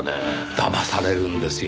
だまされるんですよ。